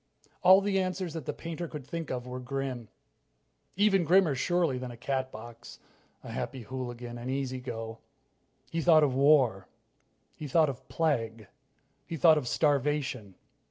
All the answers that the painter could think of were grim. Even grimmer, surely, than a Catbox, a Happy Hooligan, an Easy Go. He thought of war. He thought of plague. He thought of starvation.